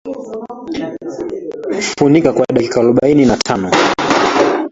Funika kwa dakika arobaini na tano